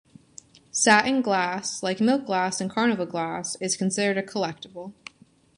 Satin glass, like milk glass and carnival glass, is considered a collectible.